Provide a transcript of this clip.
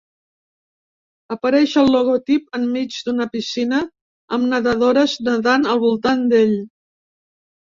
Apareix el logotip enmig d'una piscina amb nedadores nedant al voltant d'ell.